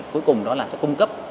cuối cùng đó là sẽ cung cấp